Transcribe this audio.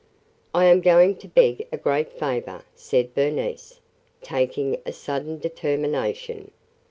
"I am going to beg a great favor," said Bernice, taking a sudden determination.